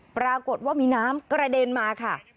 ปรากฏว่ามีน้ำกระเด็นมาค่ะ